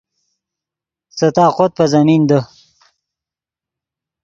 سے طاقوت پے زمین دے